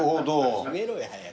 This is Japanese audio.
決めろや早く。